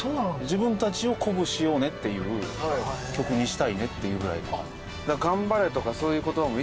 自分たちを鼓舞しようねっていう曲にしたいねっていうぐらい。